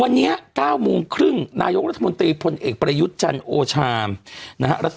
วันนี้๙โมงครึ่งนายกรัฐมนตรีพลเอกประยุทธ์จันทร์โอชามนะฮะ